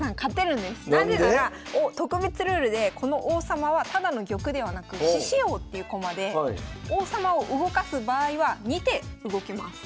何で⁉なぜなら特別ルールでこの王様はただの玉ではなく獅子王っていう駒で王様を動かす場合は２手動きます。